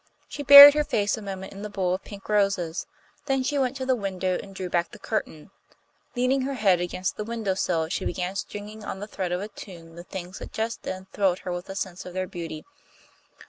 She buried her face a moment in the bowl of pink roses. Then she went to the window and drew back the curtain. Leaning her head against the window sill, she began stringing on the thread of a tune the things that just then thrilled her with a sense of their beauty.